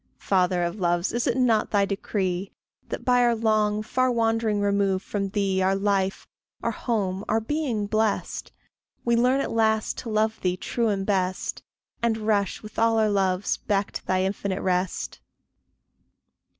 Father of loves, is it not thy decree That, by our long, far wandering remove From thee, our life, our home, our being blest, We learn at last to love thee true and best, And rush with all our loves back to thy infinite rest?